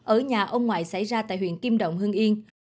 ở nhà ông ngoại xảy ra tại huyện kim động hưng yên